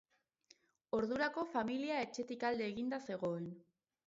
Ordurako familia etxetik alde eginda zegoen.